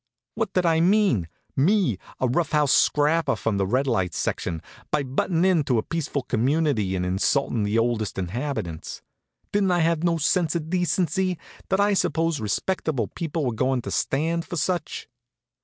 What did I mean me, a rough house scrapper from the red light section by buttin' into a peaceful community and insultin' the oldest inhabitants? Didn't I have no sense of decency? Did I suppose respectable people were goin' to stand for such?